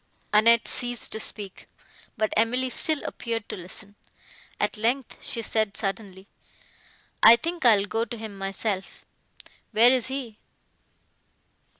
Annette ceased to speak, but Emily still appeared to listen. At length she said, suddenly, "I think I will go to him myself;—where is he?"